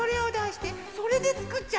それでつくっちゃいましょう。